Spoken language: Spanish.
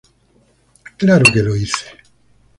Claro que lo hice.